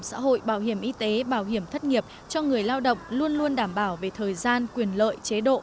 xã hội bảo hiểm y tế bảo hiểm thất nghiệp cho người lao động luôn luôn đảm bảo về thời gian quyền lợi chế độ